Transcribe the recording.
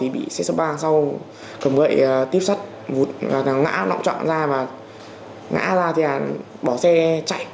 bị xe sấp ba sau cầm gậy tiếp sát ngã lọng trọng ra và ngã ra thì bỏ xe chạy